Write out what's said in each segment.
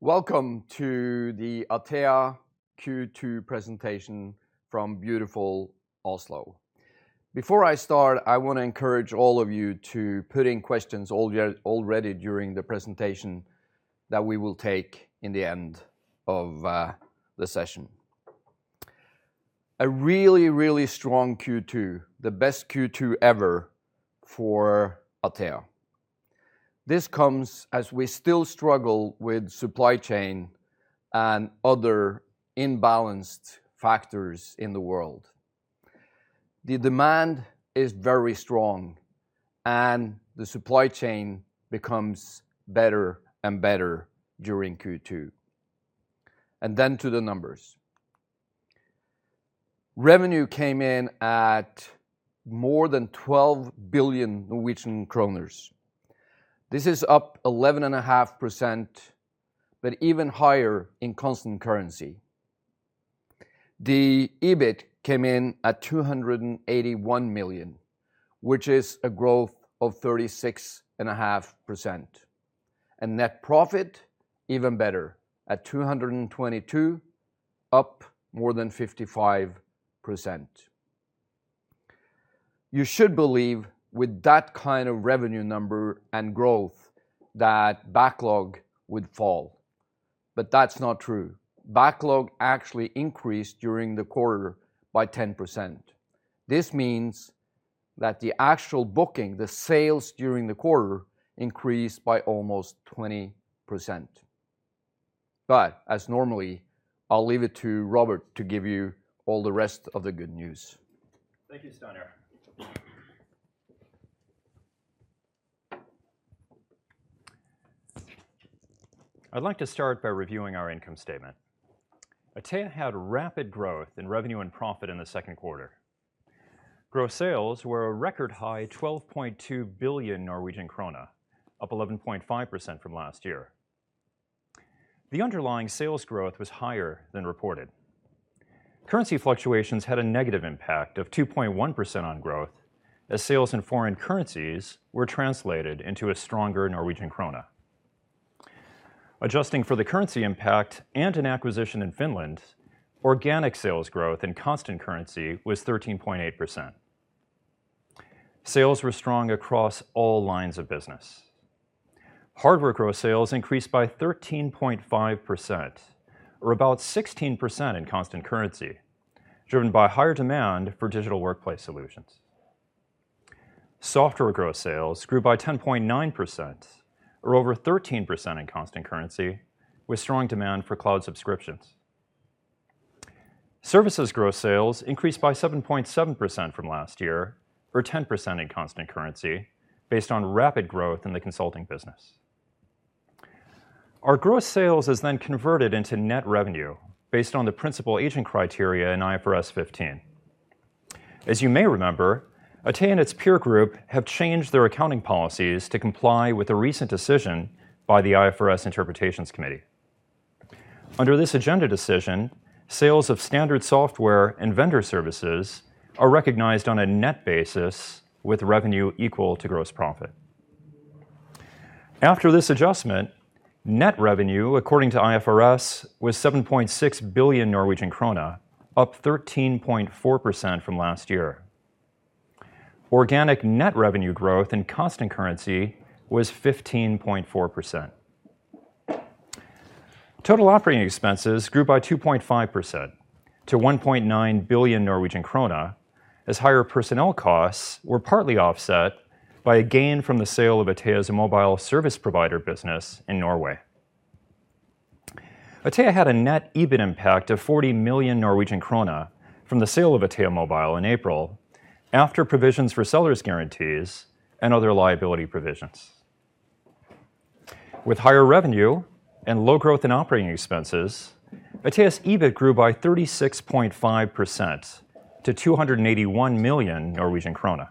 Welcome to the Atea Q2 presentation from beautiful Oslo. Before I start, I want to encourage all of you to put in questions already during the presentation that we will take in the end of the session. A really strong Q2, the best Q2 ever for Atea. This comes as we still struggle with supply chain and other imbalanced factors in the world. The demand is very strong, and the supply chain becomes better and better during Q2. To the numbers. Revenue came in at more than 12 billion Norwegian kroner. This is up 11.5%, but even higher in constant currency. The EBIT came in at 281 million, which is a growth of 36.5%. Net profit, even better, at 222 million, up more than 55%. You should believe with that kind of revenue number and growth that backlog would fall, but that's not true. Backlog actually increased during the quarter by 10%. This means that the actual booking, the sales during the quarter, increased by almost 20%. As normal, I'll leave it to Robert to give you all the rest of the good news. Thank you, Steinar. I'd like to start by reviewing our income statement. Atea had rapid growth in revenue and profit in the second quarter. Gross sales were a record high 12.2 billion Norwegian krone, up 11.5% from last year. The underlying sales growth was higher than reported. Currency fluctuations had a negative impact of 2.1% on growth as sales in foreign currencies were translated into a stronger Norwegian krone. Adjusting for the currency impact and an acquisition in Finland, organic sales growth in constant currency was 13.8%. Sales were strong across all lines of business. Hardware gross sales increased by 13.5% or about 16% in constant currency, driven by higher demand for digital workplace solutions. Software gross sales grew by 10.9% or over 13% in constant currency with strong demand for cloud subscriptions. Services gross sales increased by 7.7% from last year or 10% in constant currency based on rapid growth in the consulting business. Our gross sales is then converted into net revenue based on the principal-agent criteria in IFRS 15. As you may remember, Atea and its peer group have changed their accounting policies to comply with a recent decision by the IFRS Interpretations Committee. Under this agenda decision, sales of standard software and vendor services are recognized on a net basis with revenue equal to gross profit. After this adjustment, net revenue, according to IFRS, was 7.6 billion Norwegian krone, up 13.4% from last year. Organic net revenue growth in constant currency was 15.4%. Total operating expenses grew by 2.5% to 1.9 billion Norwegian krone as higher personnel costs were partly offset by a gain from the sale of Atea's mobile service provider business in Norway. Atea had a net EBIT impact of 40 million Norwegian krone from the sale of Atea Mobil in April after provisions for sellers' guarantees and other liability provisions. With higher revenue and low growth in operating expenses, Atea's EBIT grew by 36.5% to 281 million Norwegian krone.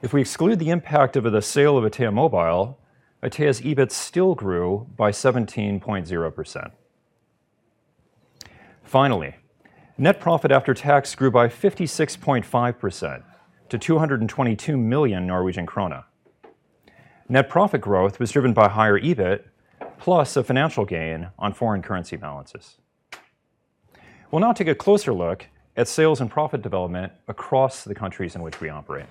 If we exclude the impact of the sale of Atea Mobil, Atea's EBIT still grew by 17.0%. Finally, net profit after tax grew by 56.5% to 222 million Norwegian krone. Net profit growth was driven by higher EBIT plus a financial gain on foreign currency balances. We'll now take a closer look at sales and profit development across the countries in which we operate.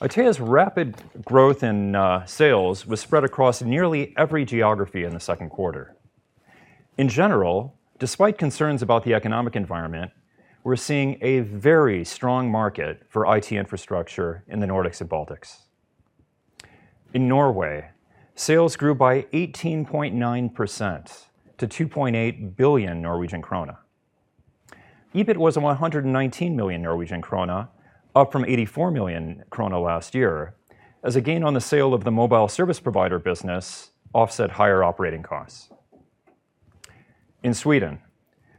Atea's rapid growth in sales was spread across nearly every geography in the second quarter. In general, despite concerns about the economic environment, we're seeing a very strong market for IT infrastructure in the Nordics and Baltics. In Norway, sales grew by 18.9% to 2.8 billion Norwegian krone. EBIT was 119 million Norwegian krone, up from 84 million krone last year, as a gain on the sale of the mobile service provider business offset higher operating costs. In Sweden,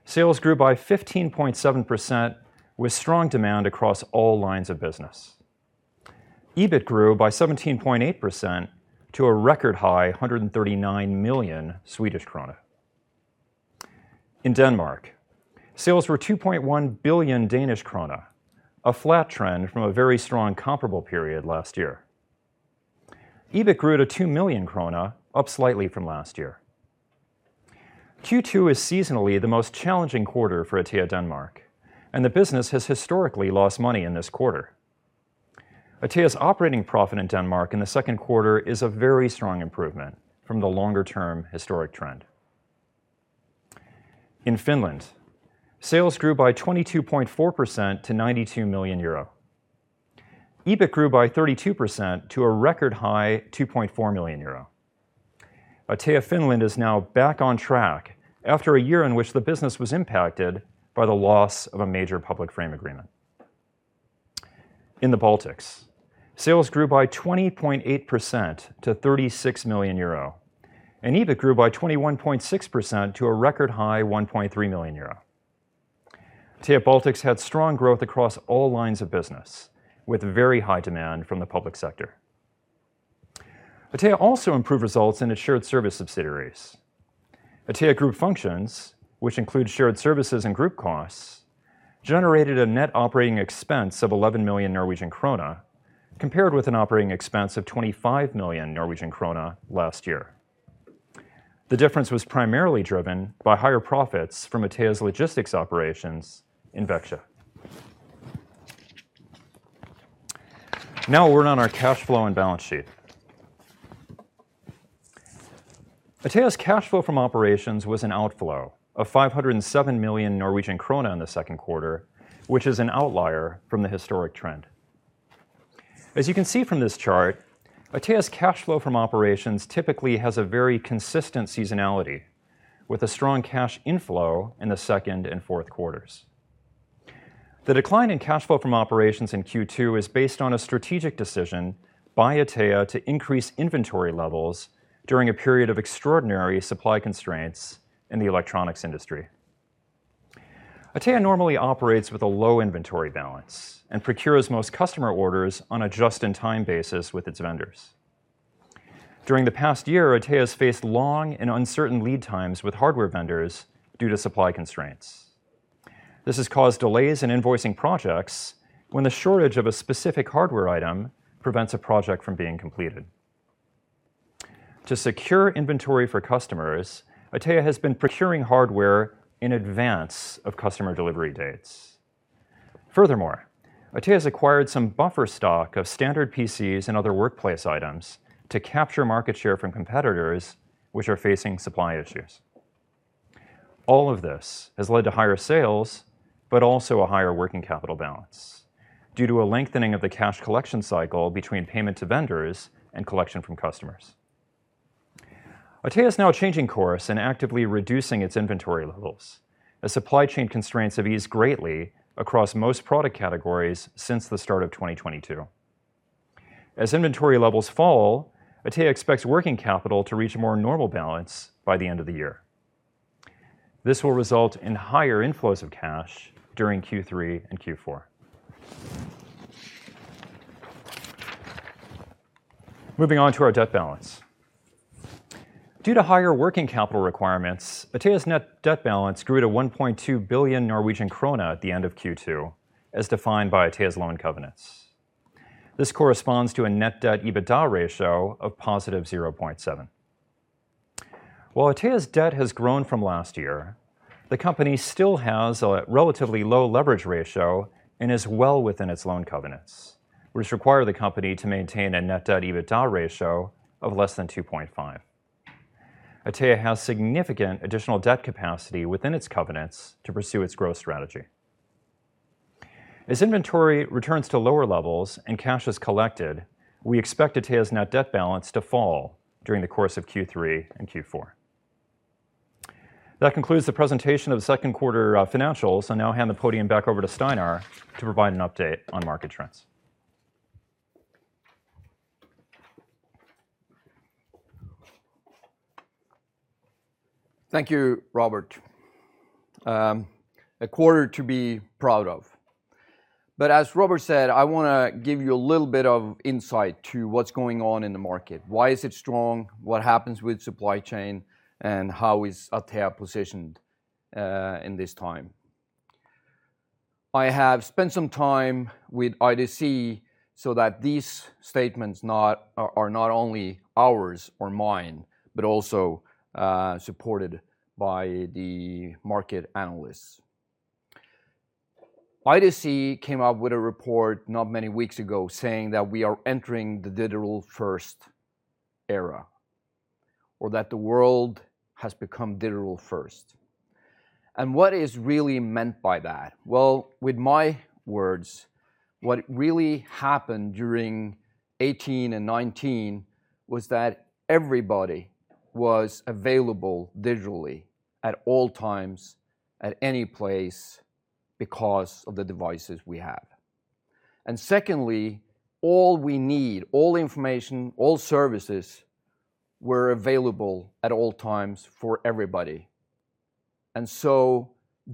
sales grew by 15.7% with strong demand across all lines of business. EBIT grew by 17.8% to a record high 139 million Swedish krona. In Denmark, sales were 2.1 billion Danish krone, a flat trend from a very strong comparable period last year. EBIT grew to 2 million krone, up slightly from last year. Q2 is seasonally the most challenging quarter for Atea Denmark, and the business has historically lost money in this quarter. Atea's operating profit in Denmark in the second quarter is a very strong improvement from the longer-term historic trend. In Finland, sales grew by 22.4% to 92 million euro. EBIT grew by 32% to a record high 2.4 million euro. Atea Finland is now back on track after a year in which the business was impacted by the loss of a major public frame agreement. In the Baltics, sales grew by 20.8% to 36 million euro, and EBIT grew by 21.6% to a record high 1.3 million euro. Atea Baltics had strong growth across all lines of business, with very high demand from the public sector. Atea also improved results in its shared service subsidiaries. Atea Group Functions, which includes shared services and group costs, generated a net operating expense of 11 million Norwegian krone, compared with an operating expense of 25 million Norwegian krone last year. The difference was primarily driven by higher profits from Atea's logistics operations in Växjö. Now a word on our cash flow and balance sheet. Atea's cash flow from operations was an outflow of 507 million Norwegian krone in the second quarter, which is an outlier from the historic trend. As you can see from this chart, Atea's cash flow from operations typically has a very consistent seasonality, with a strong cash inflow in the second and fourth quarters. The decline in cash flow from operations in Q2 is based on a strategic decision by Atea to increase inventory levels during a period of extraordinary supply constraints in the electronics industry. Atea normally operates with a low inventory balance and procures most customer orders on a just-in-time basis with its vendors. During the past year, Atea has faced long and uncertain lead times with hardware vendors due to supply constraints. This has caused delays in invoicing projects when the shortage of a specific hardware item prevents a project from being completed. To secure inventory for customers, Atea has been procuring hardware in advance of customer delivery dates. Furthermore, Atea has acquired some buffer stock of standard PCs and other workplace items to capture market share from competitors which are facing supply issues. All of this has led to higher sales, but also a higher working capital balance due to a lengthening of the cash collection cycle between payment to vendors and collection from customers. Atea is now changing course and actively reducing its inventory levels as supply chain constraints have eased greatly across most product categories since the start of 2022. As inventory levels fall, Atea expects working capital to reach a more normal balance by the end of the year. This will result in higher inflows of cash during Q3 and Q4. Moving on to our debt balance. Due to higher working capital requirements, Atea's net debt balance grew to 1.2 billion Norwegian krone at the end of Q2, as defined by Atea's loan covenants. This corresponds to a net debt EBITDA ratio of 0.7. While Atea's debt has grown from last year, the company still has a relatively low leverage ratio and is well within its loan covenants, which require the company to maintain a net debt EBITDA ratio of less than 2.5. Atea has significant additional debt capacity within its covenants to pursue its growth strategy. As inventory returns to lower levels and cash is collected, we expect Atea's net debt balance to fall during the course of Q3 and Q4. That concludes the presentation of the second quarter financials. I now hand the podium back over to Steinar to provide an update on market trends. Thank you, Robert. A quarter to be proud of. As Robert said, I wanna give you a little bit of insight to what's going on in the market. Why is it strong? What happens with supply chain, and how is Atea positioned in this time? I have spent some time with IDC so that these statements are not only ours or mine, but also supported by the market analysts. IDC came out with a report not many weeks ago saying that we are entering the digital first era, or that the world has become digital first. What is really meant by that? Well, with my words, what really happened during 2018 and 2019 was that everybody was available digitally at all times, at any place because of the devices we have. Secondly, all we need, all information, all services were available at all times for everybody.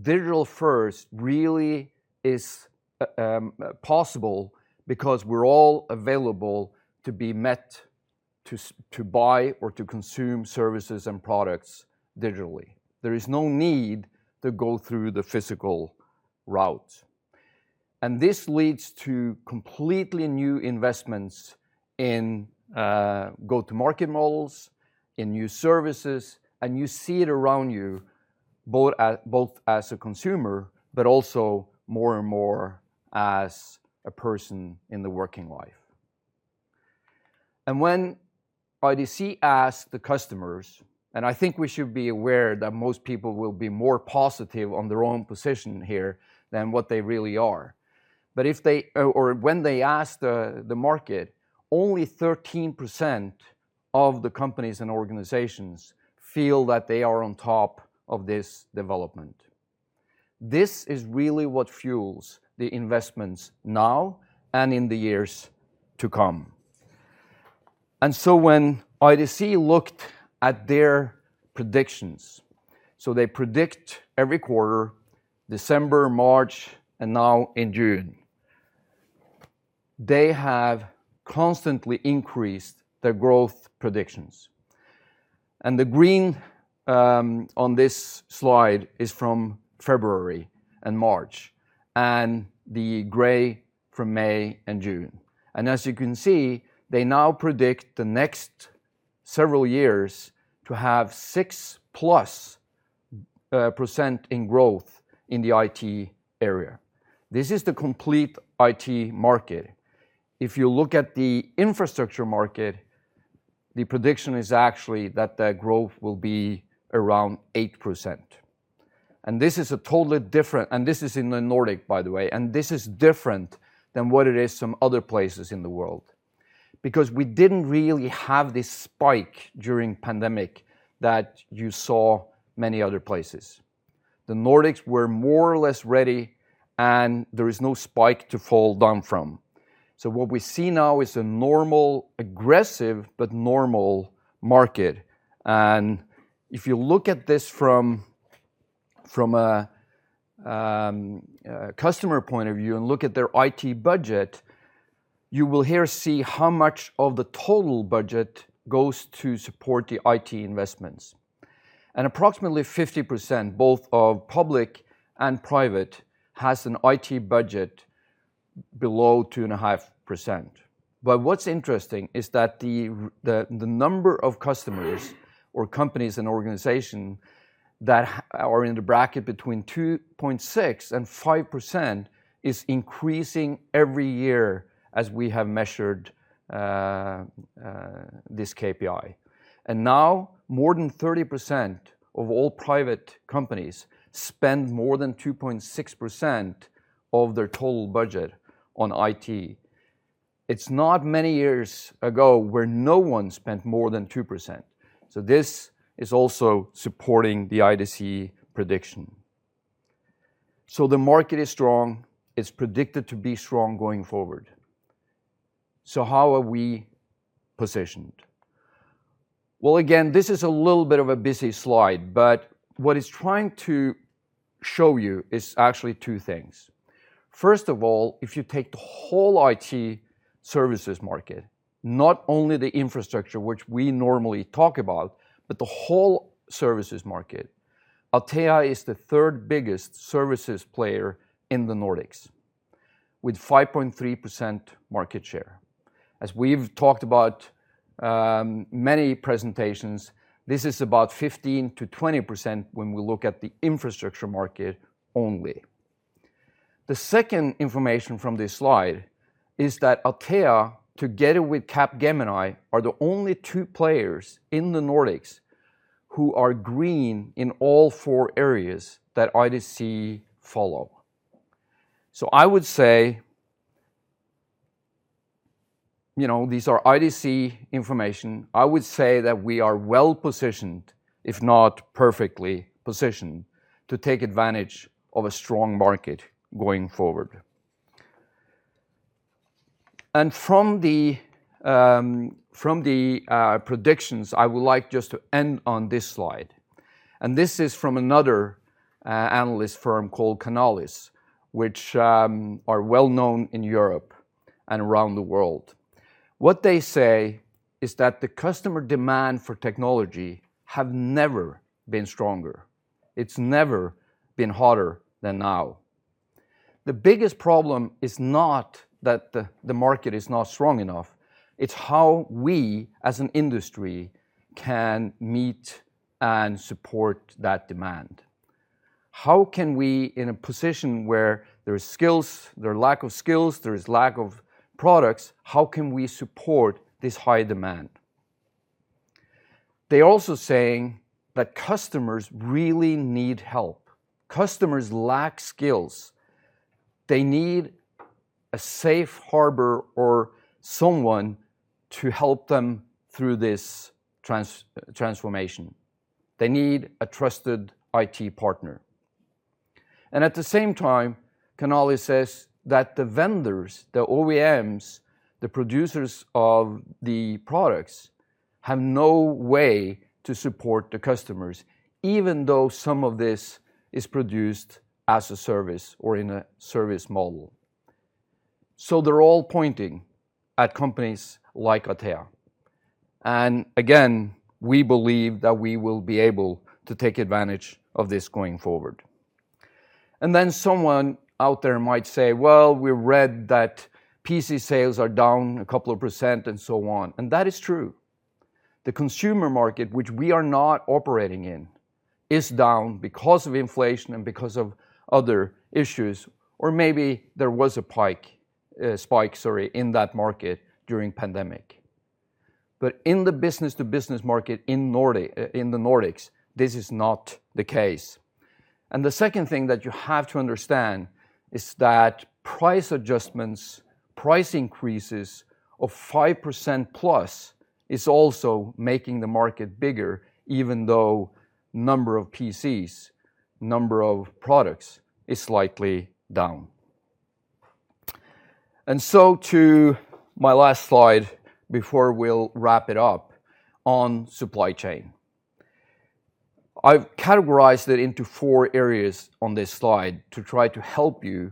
Digital first really is possible because we're all available to buy or to consume services and products digitally. There is no need to go through the physical route. This leads to completely new investments in go-to-market models, in new services, and you see it around you both as a consumer, but also more and more as a person in the working life. When IDC asked the customers, I think we should be aware that most people will be more positive on their own position here than what they really are. Or when they ask the market, only 13% of the companies and organizations feel that they are on top of this development. This is really what fuels the investments now and in the years to come. When IDC looked at their predictions, so they predict every quarter, December, March, and now in June, they have constantly increased their growth predictions. The green on this slide is from February and March, and the gray from May and June. As you can see, they now predict the next several years to have 6%+ in growth in the IT area. This is the complete IT market. If you look at the infrastructure market, the prediction is actually that the growth will be around 8%. This is in the Nordics, by the way, and this is different than what it is some other places in the world because we didn't really have this spike during pandemic that you saw many other places. The Nordics were more or less ready, and there is no spike to fall down from. What we see now is a normal, aggressive, but normal market. If you look at this from a customer point of view and look at their IT budget, you will here see how much of the total budget goes to support the IT investments. Approximately 50%, both of public and private, has an IT budget below 2.5%. What's interesting is that the number of customers or companies and organization that are in the bracket between 2.6%-5% is increasing every year as we have measured this KPI. Now, more than 30% of all private companies spend more than 2.6% of their total budget on IT. It's not many years ago where no one spent more than 2%, so this is also supporting the IDC prediction. The market is strong. It's predicted to be strong going forward. How are we positioned? Well, again, this is a little bit of a busy slide, but what it's trying to show you is actually two things. First of all, if you take the whole IT services market, not only the infrastructure which we normally talk about, but the whole services market, Atea is the third-biggest services player in the Nordics with 5.3% market share. As we've talked about many presentations, this is about 15%-20% when we look at the infrastructure market only. The second information from this slide is that Atea, together with Capgemini, are the only two players in the Nordics who are green in all four areas that IDC follow. So I would say, you know, these are IDC information. I would say that we are well-positioned, if not perfectly positioned, to take advantage of a strong market going forward. From the predictions, I would like just to end on this slide. This is from another analyst firm called Canalys, which are well-known in Europe and around the world. What they say is that the customer demand for technology have never been stronger. It's never been hotter than now. The biggest problem is not that the market is not strong enough, it's how we as an industry can meet and support that demand. How can we, in a position where there's lack of skills, there is lack of products, support this high demand? They're also saying that customers really need help. Customers lack skills. They need a safe harbor or someone to help them through this transformation. They need a trusted IT partner. At the same time, Canalys says that the vendors, the OEMs, the producers of the products, have no way to support the customers, even though some of this is produced as a service or in a service model. They're all pointing at companies like Atea, and again, we believe that we will be able to take advantage of this going forward. Then someone out there might say, "Well, we read that PC sales are down a couple of %," and so on, and that is true. The consumer market, which we are not operating in, is down because of inflation and because of other issues, or maybe there was a spike in that market during pandemic. In the business-to-business market in the Nordics, this is not the case. The second thing that you have to understand is that price adjustments, price increases of 5%+ is also making the market bigger even though number of PCs, number of products, is slightly down. To my last slide before we'll wrap it up on supply chain. I've categorized it into four areas on this slide to try to help you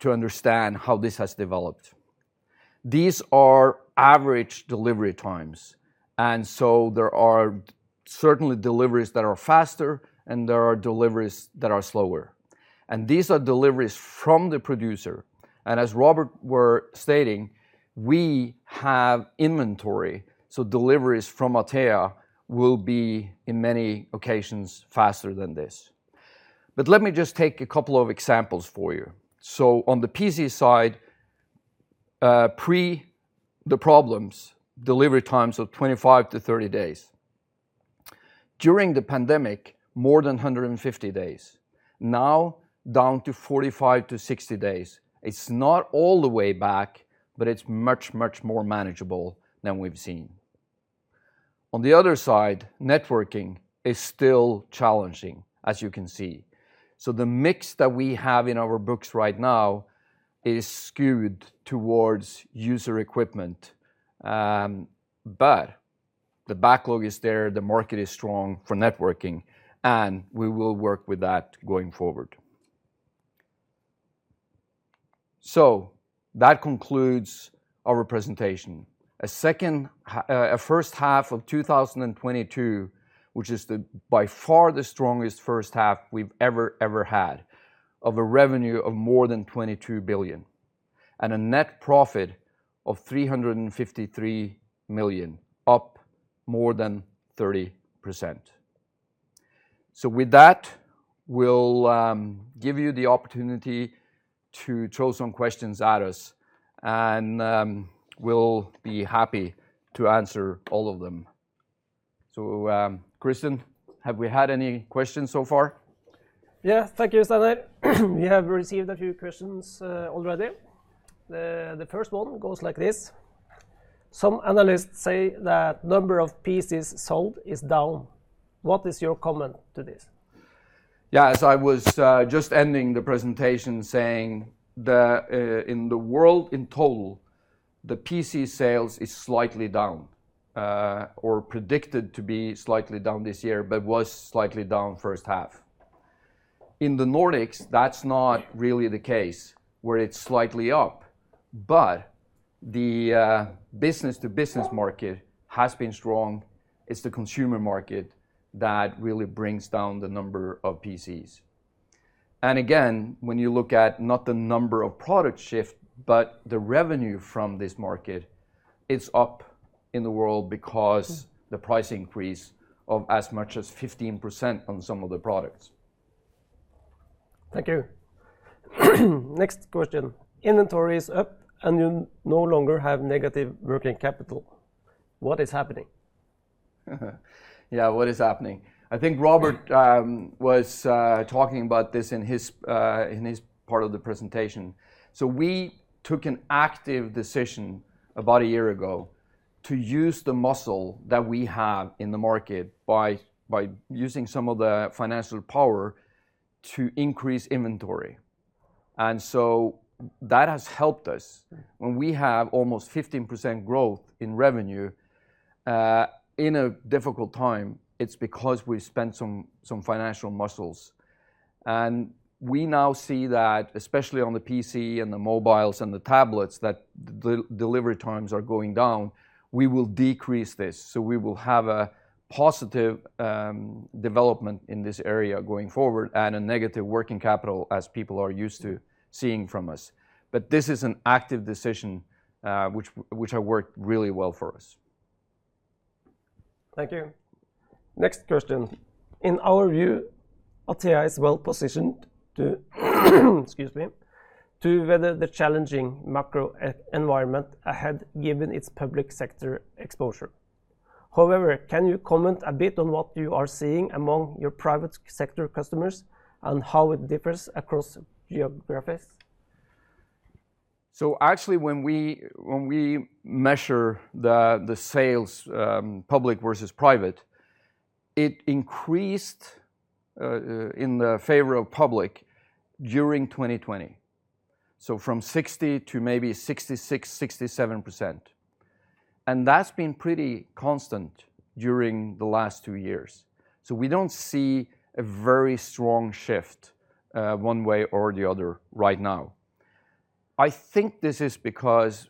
to understand how this has developed. These are average delivery times, there are certainly deliveries that are faster, and there are deliveries that are slower. These are deliveries from the producer, and as Robert were stating, we have inventory, so deliveries from Atea will be in many occasions faster than this. Let me just take a couple of examples for you. On the PC side, pre the problems, delivery times of 25-30 days. During the pandemic, more than 150 days. Now, down to 45-60 days. It's not all the way back, but it's much, much more manageable than we've seen. On the other side, networking is still challenging, as you can see. The mix that we have in our books right now is skewed towards user equipment, but the backlog is there. The market is strong for networking, and we will work with that going forward. That concludes our presentation. A first half of 2022, which is by far the strongest first half we've ever had of a revenue of more than 22 billion and a net profit of 353 million, up more than 30%. With that, we'll give you the opportunity to throw some questions at us, and we'll be happy to answer all of them. Christian, have we had any questions so far? Yeah. Thank you, Steinar. We have received a few questions, already. The first one goes like this: Some analysts say that number of PCs sold is down. What is your comment to this? Yeah. As I was just ending the presentation saying the in the world in total, the PC sales is slightly down or predicted to be slightly down this year but was slightly down first half. In the Nordics, that's not really the case, where it's slightly up, but the business-to-business market has been strong. It's the consumer market that really brings down the number of PCs. Again, when you look at not the number of products shipped but the revenue from this market, it's up in the world because the price increase of as much as 15% on some of the products. Thank you. Next question. Inventory is up, and you no longer have negative working capital. What is happening? Yeah. What is happening? I think Robert was talking about this in his part of the presentation. We took an active decision about a year ago to use the muscle that we have in the market by using some of the financial power to increase inventory, and so that has helped us. When we have almost 15% growth in revenue in a difficult time, it's because we spent some financial muscles. We now see that especially on the PC and the mobiles and the tablets, that the delivery times are going down. We will decrease this, so we will have a positive development in this area going forward and a negative working capital as people are used to seeing from us. This is an active decision which have worked really well for us. Thank you. Next question. In our view, Atea is well positioned to excuse me, to weather the challenging macro environment ahead given its public sector exposure. However, can you comment a bit on what you are seeing among your private sector customers and how it differs across geographies? Actually, when we measure the sales, public versus private, it increased in the favor of public during 2020, so from 60% to maybe 66%-67%. That's been pretty constant during the last two years. We don't see a very strong shift one way or the other right now. I think this is because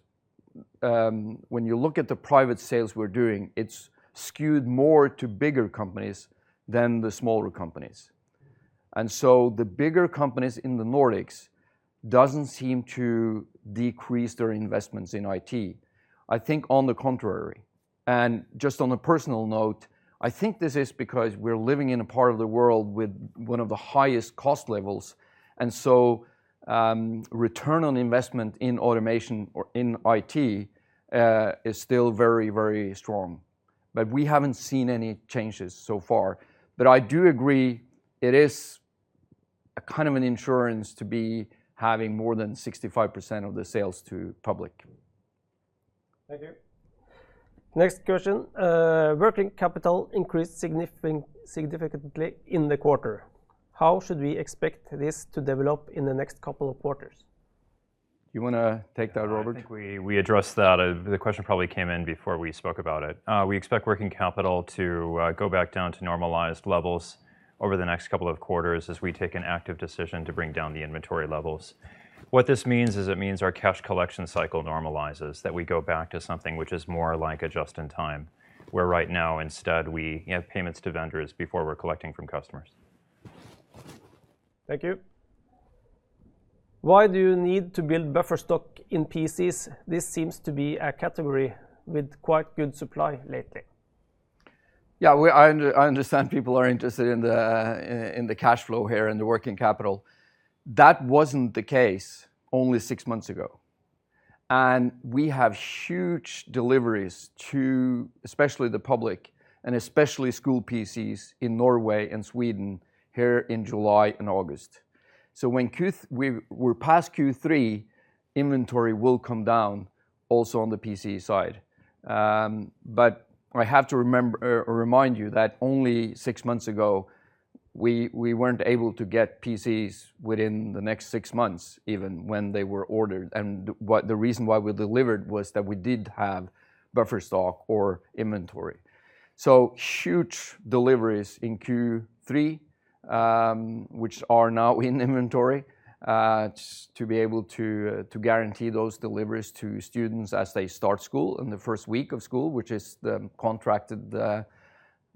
when you look at the private sales we're doing, it's skewed more to bigger companies than the smaller companies. The bigger companies in the Nordics doesn't seem to decrease their investments in IT. I think on the contrary, and just on a personal note, I think this is because we're living in a part of the world with one of the highest cost levels, and so return on investment in automation or in IT is still very, very strong. We haven't seen any changes so far. I do agree it is a kind of an insurance to be having more than 65% of the sales to public. Thank you. Next question. Working capital increased significantly in the quarter. How should we expect this to develop in the next couple of quarters? You wanna take that, Robert? I think we addressed that. The question probably came in before we spoke about it. We expect working capital to go back down to normalized levels over the next couple of quarters as we take an active decision to bring down the inventory levels. What this means is it means our cash collection cycle normalizes, that we go back to something which is more like a just-in-time, where right now instead we have payments to vendors before we're collecting from customers. Thank you. Why do you need to build buffer stock in PCs? This seems to be a category with quite good supply lately. I understand people are interested in the cash flow here and the working capital. That wasn't the case only six months ago. We have huge deliveries to especially the public and especially school PCs in Norway and Sweden here in July and August. When we're past Q3, inventory will come down also on the PC side. I have to remind you that only six months ago, we weren't able to get PCs within the next six months, even when they were ordered. The reason why we delivered was that we did have buffer stock or inventory. Huge deliveries in Q3, which are now in inventory, to be able to guarantee those deliveries to students as they start school in the first week of school, which is the contracted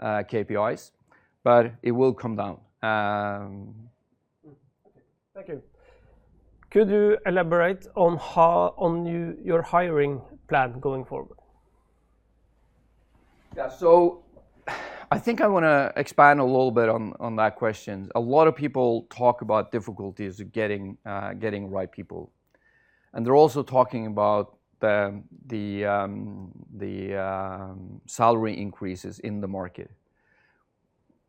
KPIs, but it will come down. Thank you. Could you elaborate on your hiring plan going forward? I think I wanna expand a little bit on that question. A lot of people talk about difficulties getting the right people, and they're also talking about salary increases in the market.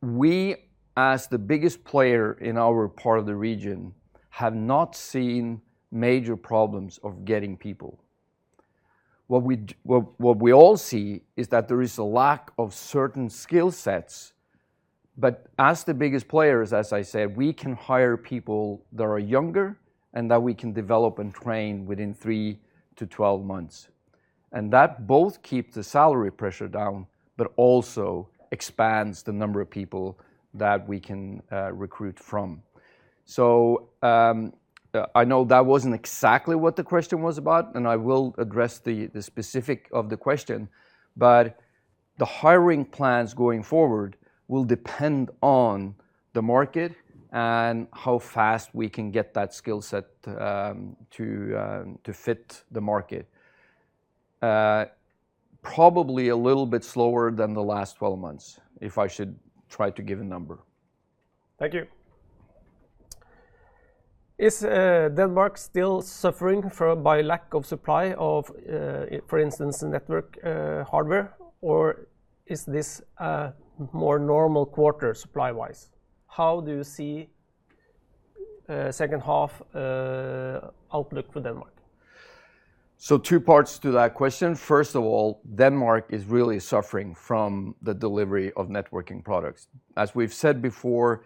We, as the biggest player in our part of the region, have not seen major problems of getting people. What we all see is that there is a lack of certain skill sets. As the biggest players, as I said, we can hire people that are younger and that we can develop and train within three-12 months. That both keep the salary pressure down, but also expands the number of people that we can recruit from. I know that wasn't exactly what the question was about, and I will address the specifics of the question, but the hiring plans going forward will depend on the market and how fast we can get that skill set to fit the market. Probably a little bit slower than the last 12 months, if I should try to give a number. Thank you. Is Denmark still suffering from lack of supply of, for instance, network hardware, or is this a more normal quarter supply-wise? How do you see second half outlook for Denmark? Two parts to that question. First of all, Denmark is really suffering from the delivery of networking products. As we've said before,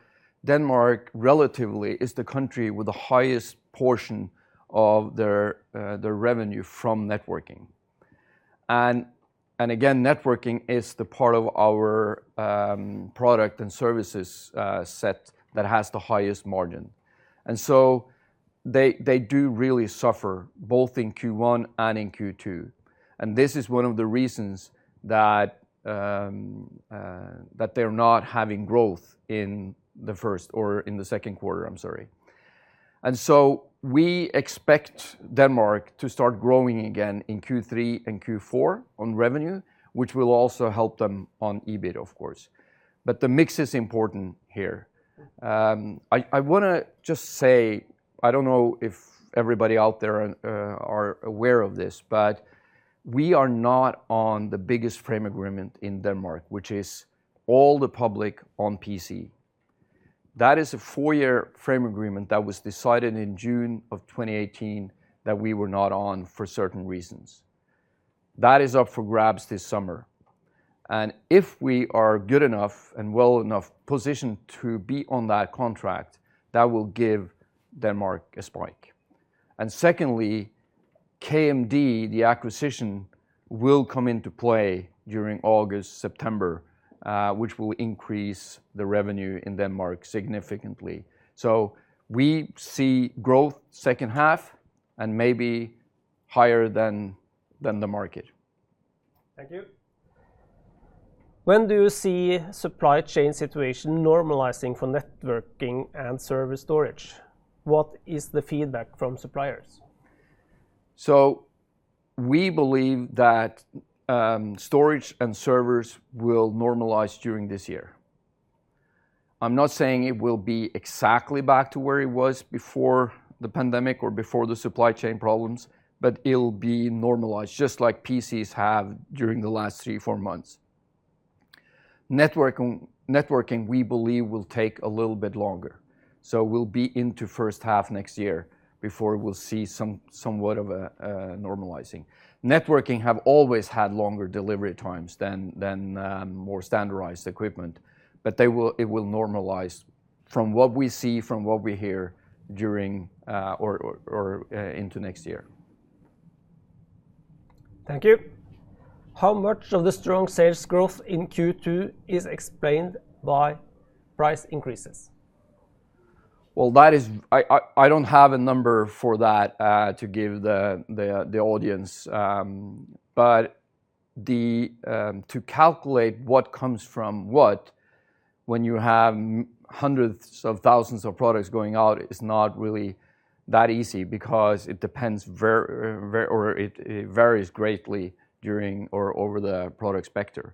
Denmark relatively is the country with the highest portion of their revenue from networking. Again, networking is the part of our product and services set that has the highest margin. They do really suffer both in Q1 and in Q2. This is one of the reasons that they're not having growth in the first or in the second quarter. I'm sorry. We expect Denmark to start growing again in Q3 and Q4 on revenue, which will also help them on EBIT, of course. The mix is important here. I wanna just say, I don't know if everybody out there are aware of this, but we are not on the biggest frame agreement in Denmark, which is all the public on PC. That is a four-year frame agreement that was decided in June of 2018 that we were not on for certain reasons. That is up for grabs this summer. If we are good enough and well enough positioned to be on that contract, that will give Denmark a spike. Secondly, KMD, the acquisition, will come into play during August, September, which will increase the revenue in Denmark significantly. We see growth second half and maybe higher than the market. Thank you. When do you see supply chain situation normalizing for networking, servers, and storage? What is the feedback from suppliers? We believe that storage and servers will normalize during this year. I'm not saying it will be exactly back to where it was before the pandemic or before the supply chain problems, but it'll be normalized, just like PCs have during the last three, four months. Networking, we believe, will take a little bit longer, we'll be into first half next year before we'll see somewhat of a normalizing. Networking have always had longer delivery times than more standardized equipment, but it will normalize from what we see, from what we hear during or into next year. Thank you. How much of the strong sales growth in Q2 is explained by price increases? Well, I don't have a number for that to give the audience. To calculate what comes from what when you have hundreds of thousands of products going out is not really that easy, because it varies greatly during or over the product spectrum.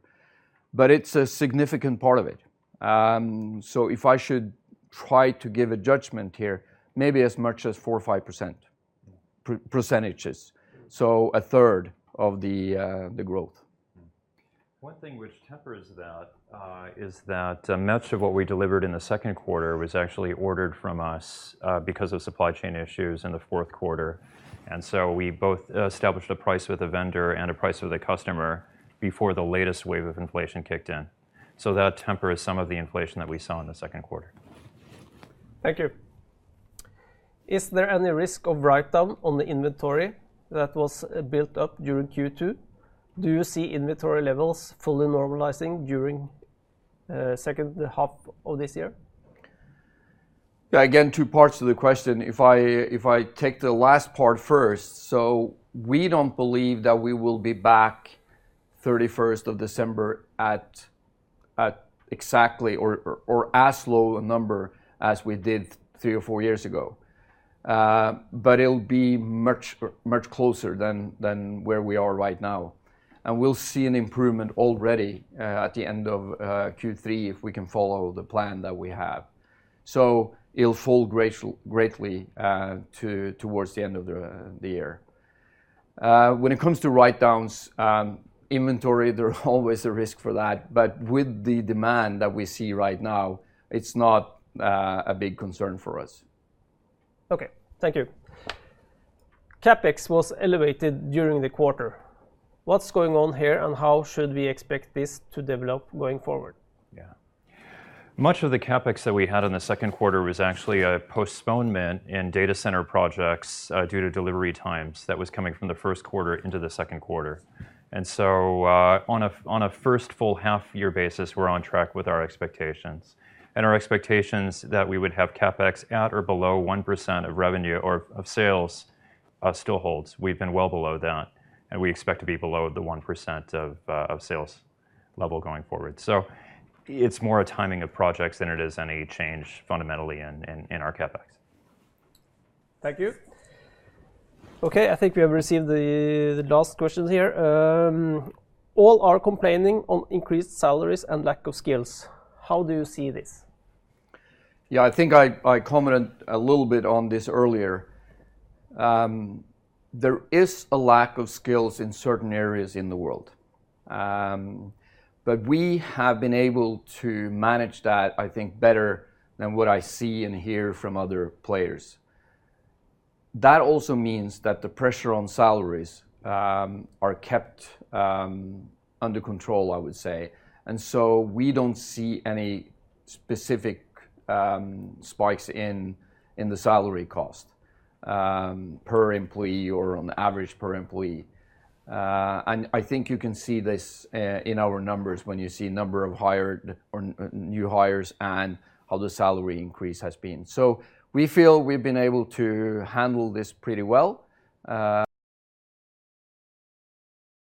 It's a significant part of it. If I should try to give a judgment here, maybe as much as two or five percentage points, so a third of the growth. One thing which tempers that is that much of what we delivered in the second quarter was actually ordered from us because of supply chain issues in the fourth quarter. We both established a price with a vendor and a price with a customer before the latest wave of inflation kicked in, so that tempers some of the inflation that we saw in the second quarter. Thank you. Is there any risk of write-down on the inventory that was built up during Q2? Do you see inventory levels fully normalizing during second half of this year? Yeah, again, two parts to the question. If I take the last part first, we don't believe that we will be back 31st of December at exactly or as low a number as we did three or four years ago. It'll be much closer than where we are right now, and we'll see an improvement already at the end of Q3 if we can follow the plan that we have. It'll fall greatly towards the end of the year. When it comes to write-downs, inventory, there's always a risk for that. With the demand that we see right now, it's not a big concern for us. Okay. Thank you. CapEx was elevated during the quarter. What's going on here, and how should we expect this to develop going forward? Much of the CapEx that we had in the second quarter was actually a postponement in data center projects, due to delivery times that was coming from the first quarter into the second quarter. On a first full half-year basis, we're on track with our expectations, and our expectations that we would have CapEx at or below 1% of revenue or of sales still holds. We've been well below that, and we expect to be below the 1% of sales level going forward. It's more a timing of projects than it is any change fundamentally in our CapEx. Thank you. Okay, I think we have received the last question here. All are complaining on increased salaries and lack of skills. How do you see this? Yeah, I think I commented a little bit on this earlier. There is a lack of skills in certain areas in the world. We have been able to manage that, I think, better than what I see and hear from other players. That also means that the pressure on salaries are kept under control, I would say, and we don't see any specific spikes in the salary cost per employee or on average per employee. I think you can see this in our numbers when you see number of hired or new hires and how the salary increase has been. We feel we've been able to handle this pretty well.